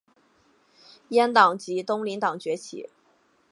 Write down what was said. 阉党及东林党崛起。